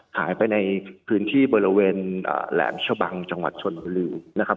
หายไปในพื้นที่บริเวณแหลมเช้าบังจังหวัดชนลิว